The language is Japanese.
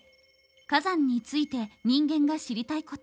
火山について人間が知りたいこと。